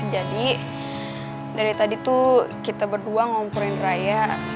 jadi dari tadi tuh kita berdua ngumpulin raya